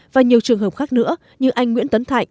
và nhiều trường hợp khác nữa như anh nguyễn tấn thạnh